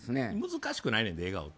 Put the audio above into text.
難しくないねんて、笑顔て。